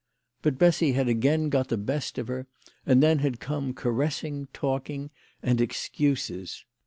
But Bessy had again got the best of her, and then had come caressing, talking, and excuses.